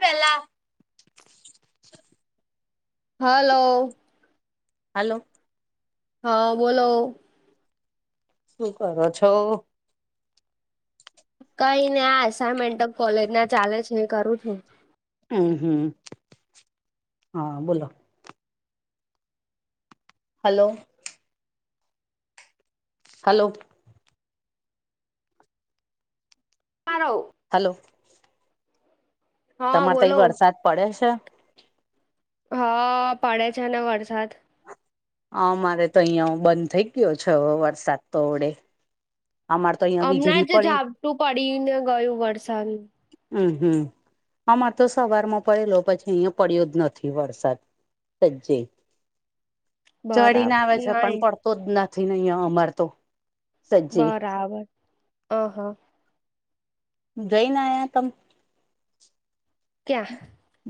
પેલા hello hello હા બોલો શું કરો છો? કઈ ના આ એસાઈનમેન્ટ કોલેજના ચાલે છે એ કરું છું. હમ્મ હમ્મ હા બોલો. હલો. હલો. પારો. હલો. હા તમારે તઈ એ બોલો વરસાદ પડે છે? હા પડે છે ને વરસાદ. આ મારે તો અહિયાં હ બંધ થઇ ગયો છે હ વરસાદ તો અવડે. હમણાં જ ઝાપટું પડી ને ગયું વરસાદ. હમ્મ હમ્મ આમાં તો સવારમાં પડેલો પછી અહીયા પડ્યો જ નથી વરસાદ. સજ્જે ચડીને બરાબર આવે છે પણ નાઈ પડ તો જ નથીને અહીંયા અમાર તો સજ્જે બરાબર અહ હ. જઈને આયા તમ? ક્યાં?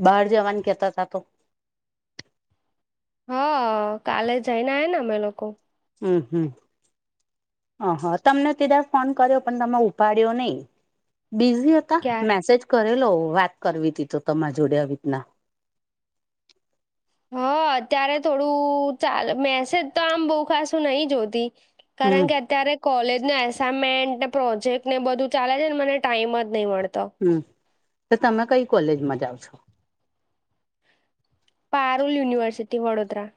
બહાર જવાના કેતા હતા તો હા કાલે જઈને આયાને અમે લોકો. હમ્મ હમ્મ. હા હા તમને પેલા ફોન કર્યો પણ તમે ઉપાડ્યો નહી, બિઝી હ કા ક્યાં મેસેજ કરેલો વાત કરવી તી તો તમારા જોડે આવી રીતના. હ અત્યારે થોડું ચાલ મેસેજ તો આમ બહુ ખાસું નહી જોતી. હમ કારણ કે અત્યારે કોલેજને એસાઈનમેન્ટને, પ્રોજેક્ટને બધું ચાલે છે ને મને ટાઈમ જ નહીં મળતો. હમ્મ, તો તમે કઈ કોલેજમાં જાઓ છો? પારૂલ યુનિવર્સિટી વડોદરા.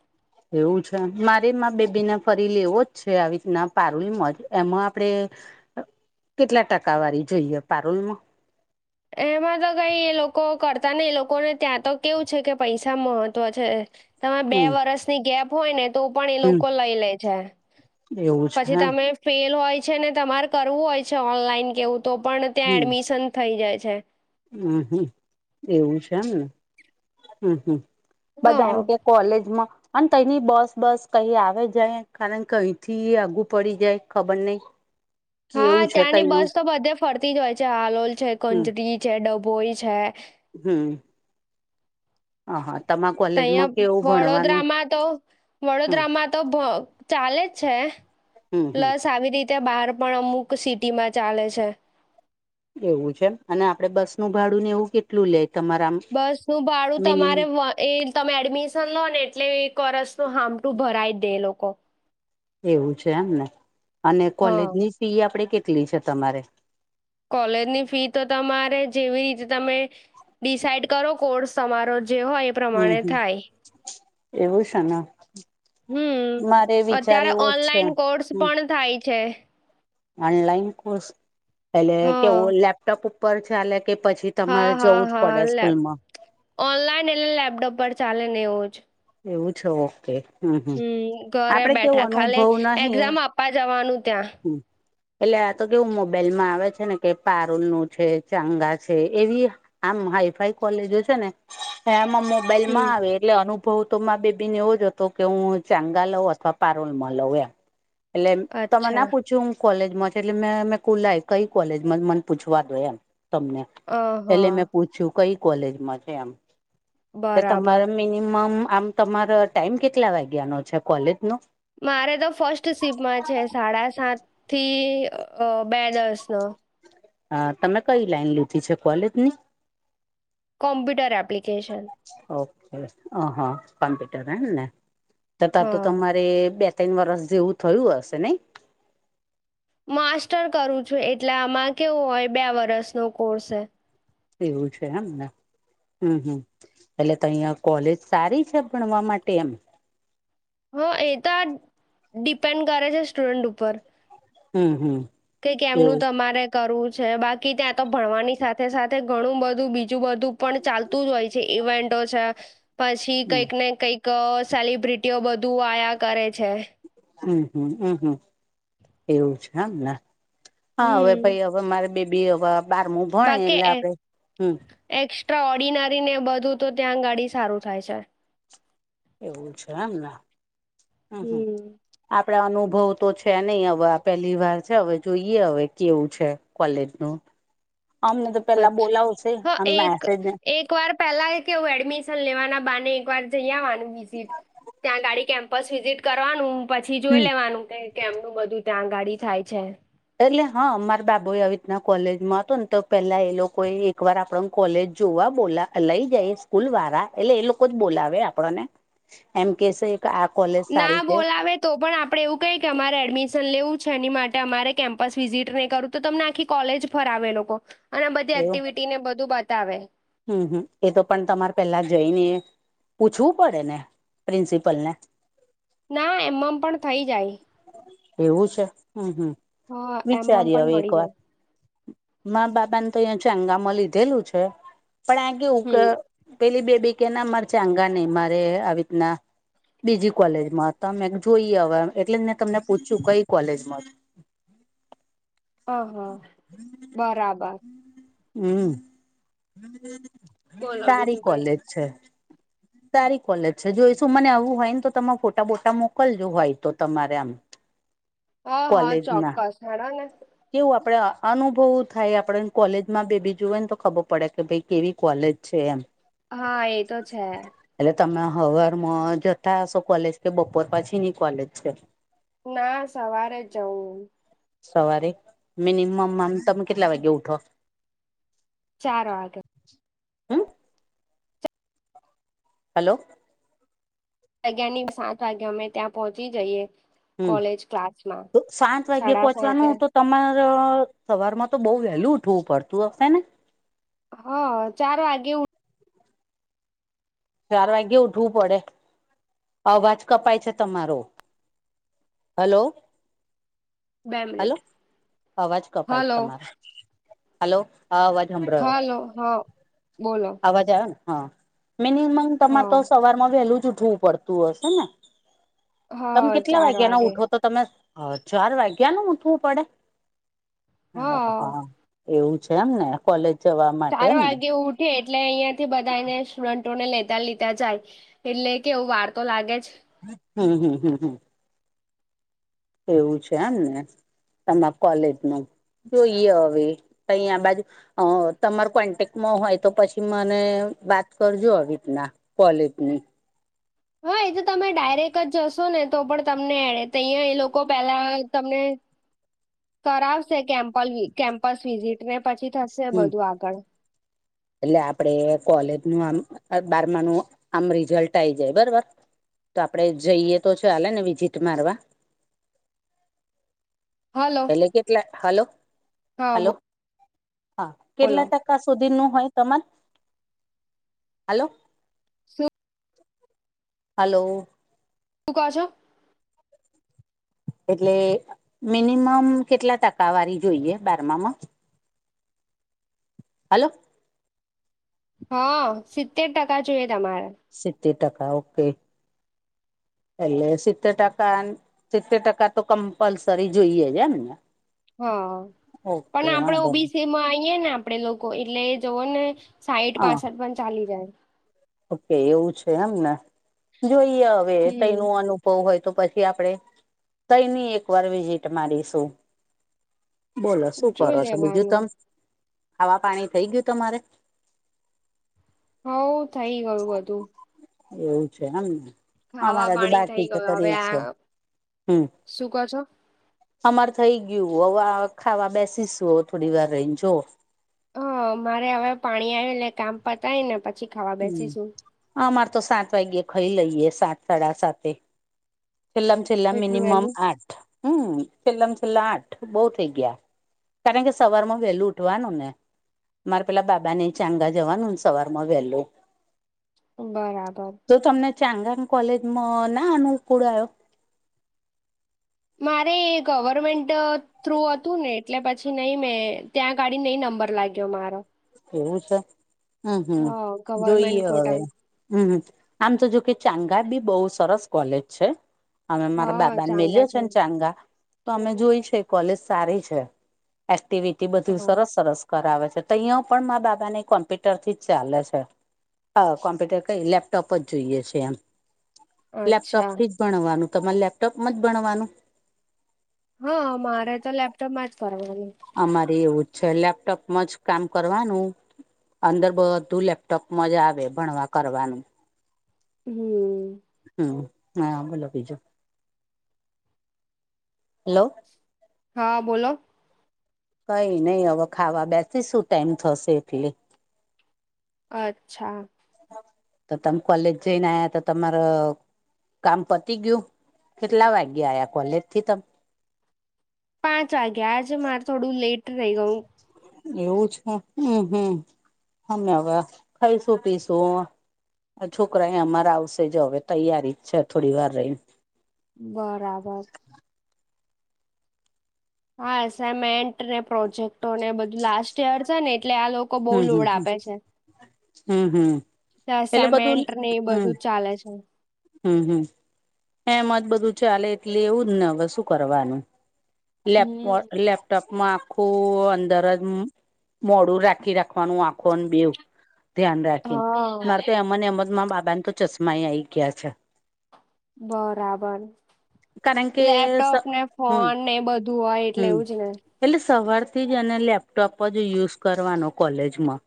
એવું છે મારે માર બેબીને ફરી લેવો જ છે આવી રીતના પારૂલીમાંજ એમાં આપડે અહ કેટલા ટકા વાળી જોઈએ પારૂલમાં? એમાં તો કઈ એ લોકો કરતા ને એ લોકોને ત્યાં તો કેવું છે કે પૈસા મહત્વ છે. તમે બે હમ વર્ષની ગેપ હોય ને તો પણ એ હમ લોકો લઈ લે છે. એવું છે પછી હમ તમે ફેલ હોય છે ને તમારે કરવું હોય છે ઓનલાઈન કેવું તો પણ ત્યાં એડમિશન થઈ જાય છે. હમ્મ હમ્મ એવું છે એમને. હમ્મ હા હમ્મ. કોલેજમાં. અને તની બસ બસ કઈ આવે જાય કારણ કઈ થી આગું પડી જાય ખબર નઈ. [inaudible] હા છે ત્યાંની તઈનું બસ તો બધે ફરતી જ હોય છે હાલોલ છે, કંજરી છે, ડભોઈ છે હમ્મ. હા હા તમા કોલેજમાં તહીં કેવું ભણવાનું? વડોદરામાં તો હમ વડોદરામાં તો ભ ચાલે જ છે હમ હમ પ્લસ આવી રીત ત્યાં બહાર પણ અમુક સિટીમાં ચાલે છે. એવું છે અને આપડે બસ નું ભાડું ને એવું કેટલું લે તમારામ બસ હું ભાડું તમારે વ એ તમે એડમિશન લો ને, એટલે એક વર્ષ તો હામટું ભરાય જ દે લોકો. એવું છે, એમને અને હા કોલેજની ફી આપડે કેટલી છે તમારે? કોલેજની ફી તો તમારે જેવી રીતે તમે ડિસાઈડ કરો, કોર્સ તમારો જે હોય. એ હમ, પ્રમાણે હમ થાય એવું છેને. હમ, અત્યારે છે ઓનલાઈન કોર્સ હમ પણ થાય છે. ઓનલાઈન કોર્સ એટલે કે, હા લેપટોપ ઉપર ચાલે કે, પછી તમારે હા જવું જ હા પડે સ્કૂલ લેબ માં. ઓનલાઈન લેપટોપ પર ને એવું જ. એવું છે, ઓકે. હમ, હમ ઘરે આપડે કેવો બેઠા ખાલી અનુભવ નહિ હ. એક્ઝામ આપવા જવાનું ત્યાં એટલે આ તો કેવું મોબાઈલ માં આવે છે ને કે, પારૂલ નું છે, ચાંગા છે એવી. આમ હાઈફાઈ કોલેજો છે ને, એમાં મોબાઈલ માં આવે, હમ એટલે અનુ ભવ તો મા બેબી ને એવો જ હતો કે, હું ચાંગા લઉં અથવા પારુંલમાં લઉં એમ. એટલે તમે અચ્છા ના પૂછ્યું હુ. કોલેજ માં છે, એટલે મે મેમે કુલય કઈ કોલેજ માં મને પૂછવા દો, એમ તમને એટલે અહ મેં પૂછ્યું કઈ કોલેજમાં છે, એમ બરાબર તમારા મીની મમ આમ તમારા ટાઈમ કેટલા વાગ્યાનો છે કોલેજ નો? મારે તો ફર્સ્ટ સીપમાં છે, સાડા સાત થી બે દસ નો. હા, તમે કઈ લાઈન લીધી છે, કોલેજ ની. Computer application. ઓકે, હા, કોમ્પ્યુટર એમને ત તો તો હા તમારે બે ત્રણ વર્ષ જેવું થયું હશે નહી. માસ્ટર કરું છું, એટલે આમાં કેવું હોય, બે વર્ષ નો કોર્સે. એવું છે એમને. હમ, હમ એટલે તો ત્યાં કોલેજ સારી છે, ભણવા માટે એમ. હ, એ તો આ ડિપેન્ડ કરે છે, સ્ટુડન્ટ ઉપર. હમ, હમ‌. કે કેમનું તમારે. કરવું છે, બાકી ત્યાં તો ભણવાની સાથે-સાથે ઘણું બધું, બીજું બધું પણ ચાલ. તું જ હોય છે, ઇવેન્ટો છે. પછી હમ કંઈક ને, કઈક સેલિબ્રિટીઓ બધું આયા કરે છે. હમ, હમ, હમ, હમ એવું છે આમ ના. હા, હવે હમ ભાઈ, હવે મારી બેબી એ હવે બારમું. ભણે બાકી એટલે એ આપડે હમ એક્સ્ટ્રા ઓર્ડિનારી ને, બધું તો ત્યાં ગાડી સારું થાય છે. એવું છે, એમને હમ, હમ. આપડા અનુભવ તો છે નહી, હવે આ પહેલી વાર છે, હવે જોઈએ, હવે કેવું છે કોલેજ નું. અમને તો પેલા બોલાવશે, આમ મેસેજને એકવાર પહેલા કેવું એડમિશન લેવાના બહાને, એકવાર વાર જઈ આવવાનું વિઝિટ, ત્યાં ગાડી કેમ્પ. બસ વિઝિટ કરવાનું, પછી હમ જોઈ લેવાનું કે, કેમનું બધું ત્યાં ગાડી થાય છે. એટલે હા, મારા બાબુ આવી રીતના કોલેજમાં હતો ને, તો પેલા એ લોકોએ એક વાર આપણ કોલેજ જોવા બોલા લઈ જાય સ્કૂલ વાળા, એટલે એ લોકો જ બોલાવે આપણો ને. એમ કેસે. ના બોલાવે. તો પણ આપડે એવું કહી કે, અમારે એડમિશન લેવું છે, એની માટે અમારે કેમ્પસ વિઝિટ નહીં કરું. તો તમને આખી કોલેજ ફરાવે એ લોકો અને બધી એક્ટિવિટીને બધું બતાવે. હમ્મ, હમ્મ, એ તો પણ તમારે પેલા જઈને પૂછવું પડે ને પ્રિન્સિપલ ને? ના એમ મ પણ થઈ જાય. એવું છે, હમ્મ હમ્મ, હા એમમ વિચારીએ પણ હવે એક મળી વાર. જાય માં બાબાને તો અહંયા ચંગામાં લીધેલું છે. પણ આ કેવું હ કે પેલી બેબી કે ના મારે ચાંગા નઈ મારે આવી રીતના બીજી કોલેજમાં તમે જોઈ એટલે જ તમને પૂછ્યું કઈ કોલેજમાં? [inaudible] બરાબર. હમ્મ, બોલો સારી બીજું કઈ. કોલેજ છે. સારી કોલેજ છે જોઈ શું મને આવવું હોય ને તો તમે ફોટા બોટા મોકલજો હોય તો તમારે આમ. હ હા કોલેજ ના ચોક્કસ. કેવું આપડે અનુભવ થાય આપણે કોલેજમાં બેબીજુએ ને તો ખબર પડે કે ભાઈ કેવી કોલેજ છે એમ. હા એ તો છે. એટલે તમે હવાર માં જતા હશો કોલેજ કે બપોર પછી ની કોલેજ છે? ના સવારે જ જવું. સવારે મિનિમમ આમ તમે કેટલા વાગે ઉઠો? ચાર વાગે. હમ હાલો. જગ્યા ની સાત વાગે અમે ત્યાં પહોંચી જઈએ. હમ કોલેજ ક્લાસમાં, તો સાત વાગ્યે સાડા સાથે. પહોંચવાનું તો તમારે સવારમાં તો બહુ વેલ્યુ ઉઠવું પડતું હશે ને? હ ચાર વાગે ચાર વાગ્યે ઉઠવું પડે? અવાજ કપાય છે તમારો. હાલો, બે હાલો, મિનિટ. અવાજ કપાય હલો તમારો. હાલો, હા અવાજ સંભળાયો હાલો, હા બોલો. અવાજ આવે ને? હા, મિનિમમ હ તમારે તો સવાર માં વહેલું જ ઉઠવું પડ તું હશે ને, હ તમે કેટલા ચાર વાગ્યા ના વાગે ઉઠો? તો તમે ચાર વાગ્યાનું ઉઠવું પડે? હ હા. એવું છે એમ ને કોલેજ જવા માટે એમ ને. છે એટલે અહિયાં થી બધાયને સ્ટુડન્ટ ને લેતા લીતા જાય એટલે કે એવું વાર તો લાગે જ. હમ્મ, હમ્મ, હમ્મ, હમ્મ. એવું છે આમ ને તમાર કોલેજ ને જોઈએ હવે. અહીં આ બાજુ અ તમાર કોન્ટેક્ટમાં હોય તો પછી મને બાત કરજો આવી રીતના. કોલેજની. હા એ તો તમે ડાયરેક્ટ જ જશો ને તો પણ તમને એડે અહીં એ લોકો પેલા તમને કરાવશે કેમ્પ કેમ્પસ વિઝિટ ને પછી થશે હમ બધું આગળ. એટલે આપડે કોલેજ નું આમ બારમા નું આમ રિઝલ્ટ આઈ જાય બરોબર? તો આપડે જઈએ તો છે ચાલે ને વિઝિટ મારવા? હાલો. એટલે કેટલા, હાલો. હા બ કેટલા ટકા સુધીનું તમાર હલો શું હલો તું ક છો એટલે મિનિમમ કેટલા ટકાવારી જોઈએ બારમામાં હલો હા સિત્તેર ટકા જોઈએ. તમારે સીતેટકા ઓકે એે સીતેટકા સિત્તેર ટકા તો કમ્પલસરી જોઈએ છે. એમં હ પણ આપડે વાંધો નહી ઓબીસીમાં આઈયએ ને આપણેે લોકો એટલે જવો ને સાહીઠ હા પાસઠેમા પાછળ પણ ચાલી જાય. ઓકે એવું છે. એમને જોઈએ. હવે હમ તૈનું અનુ એવું હોય તો પછી આપડે તૈની ની એકવાર વિઝિટ મારીશું. બોલો શું જોઈ કરો છો. બીજું લેવાનું તમ ખાવા પાણી થઇ ગયું તમારે હઉ થઈ ગયું બધું એવું છે. અમને ખાવા અમારા જે પાણી થઈ બાકી છે. ગયું હવે કરી આ છે. હમ શું કહો છો અમાર થઈ ગયું હવે ખાવા બેસીશું થોડી વાર રહીને જો હ મારે હવે પાણી આવ્યું ને કામ પતાય ને પછી ખાવા હમ બેસીશું અમારે તો સાત વાગ્યે ખાઈ લઈએ સાત સાડા સાતે છેલ્લા છેલ્લા એટલું મિનિમમ વેલું આઠ હમ છેલ્લામ છેલ્લા આઠ બહુ થઇ ગયા. કારણ કે સવારમાં વેલું ઉઠવાને ને મારે પેલા બાબાને ચાંગા જવાનું સવારમાં વેહલું બરાબર તો તમને ચાંગાંની કોલેજમાં ના અનુકુળ આયો મારે ગવર્મેન્ટ થ્રુ હતું ને એટલે પછી નહી મેં ત્યાં અગાડી નહી. નંબર લાગ્યો મારો એવું છે. હમ હમ હા ગવર્મેન્ટ જોઈએ હવે કોટા હમ આમ તો જો કે ચાંગા બી બહુ સરસ કોલેજ છે. અમે મારા હા બાબાને ચાંગા મેલ્યો છે. ને ચાંગા તો અમે જોઈ છે. કોલેજ સારી છે. એક્ટિવિટી બધું હા સરસ સરસ કરાવે છે. અહીંયો પણ મમારા બાબાને કોમ્પ્યુટરથી જ ચાલે છે. હા કોમ્પ્યુટર કઈ લેપટોપ જ જોઈએ છે એમ અચ્છા લેપટોપથી જ ભણવાનું તમારે લેપટોપમાં જ ભણવાનું હા મારે તો લેપટોપમાં જ ભણવાનુ અમારે એવું જ છે. લેપટોપમાં જ કામ કરવાનું અંદર બધું લેપટોપમા જ આવે ભણવા કરવાનું હમ હ હા બોલો બીજુ હલો હા બોલો કઈ નહી હવે ખાવા બેસી શું ટાઈમ થશે એટલે અચ્છા તો તમે કોલેજ જઈને. આયા તો તમારો કામ પતી ગયું. કેટલા વાગ્યા આયા કોલેજથી તમ પાંચ વાગ્યા આજે મારે થોડું લેટ રહી ગયું. એવું છે, હમ, હમ, હમે હવે ખાઈશું પીશું. છોકરા અ અમારે આવશે જ, હવે તૈયારી જ છે, થોડી વાર રહીને. બરાબર. હા, એસાઈનમેન્ટ ને પ્રોજેક્ટો ને, બધું લાસ્ટ યર છે ને, એટલે આ લોકો બહુ હમ હમ લોડ હમ આપે છે. હમ હમ એટલે બધું અસઇમેન્ટ નને બધું જ ચાલે છે. હું હું. હે મજ બધું ચાલે, એટલે એવું જ ને, હવે શું કરવાનું? લેપ હમ લેપટોપમાં આખું અંદર જ મોડું રાખી રાખો. વાનું આખો બેવ ધ્યાન રાખીને, હા નાતો એમ એમમાં બાબાને તો. ચશ્મા આઈ ગયા છે. બરાબર. કારણ કે લેપટોપને હમ ફોન બધું હોય, હમ એવું જ ને. એટલે સવારથી જ અને લેપટોપ જ યુઝ કરવાનો કોલેજમા.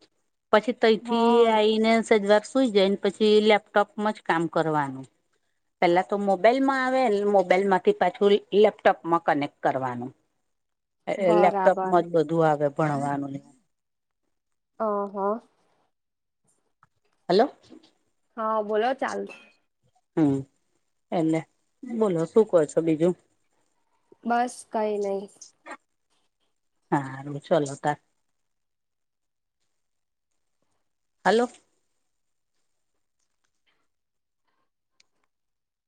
પછી હા તેથી આવીને સજવાર સુઈ જાયને, પછી લેપટોપમાં જ કામ કરવાનું. પેલા તો મોબાઈલમાં આવે, મોબાઈલમાંથી પાછું લેપટોપમાં કનેક્ટ કરવાનું. બરાબર લેપટોપમાં જ બધું આવે ભણવાનું‌. ઓહો. હાલો. હા, બોલો ચાલ. હું એને બોલો શું કો છો બીજું? બસ કંઈ નહીં. હા, ચલોતા. હાલો.